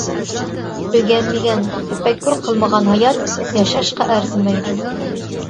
ئۆگەنمىگەن، تەپەككۇر قىلمىغان ھايات ياشاشقا ئەرزىمەيدۇ.